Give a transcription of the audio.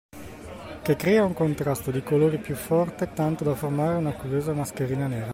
Che crea un contrasto di colori più forte tanto da formare una curiosa mascherina nera.